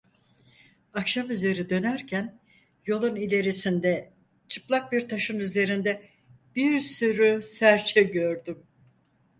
Akşamüzeri dönerken, yolun ilerisinde, çıplak bir taşın üzerinde bir sürü serçe gördüm.